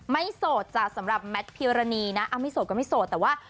ไม่โหสจาสำหรับเม็ดพิราณีน่ะเอ้าไม่โหสก็ไม่โหสแต่ว่า